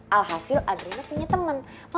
alhasil adriana punya temen